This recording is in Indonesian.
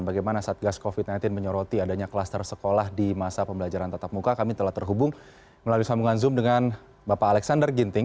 bagaimana satgas covid sembilan belas menyoroti adanya kluster sekolah di masa pembelajaran tatap muka kami telah terhubung melalui sambungan zoom dengan bapak alexander ginting